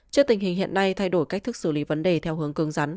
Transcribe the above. trước tình hình hiện nay thay đổi cách thức xử lý vấn đề theo hướng cương rắn